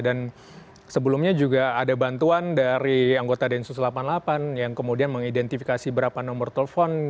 dan sebelumnya juga ada bantuan dari anggota densus delapan puluh delapan yang kemudian mengidentifikasi berapa nomor telepon